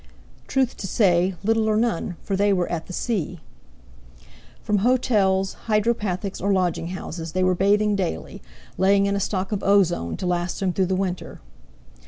Truth to say, little or none, for they were at the sea. From hotels, hydropathics, or lodging houses, they were bathing daily; laying in a stock of ozone to last them through the winter.